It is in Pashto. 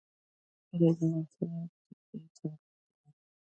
کلي د افغانستان یوه طبیعي ځانګړتیا ده.